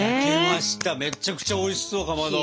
めちゃくちゃおいしそうかまど。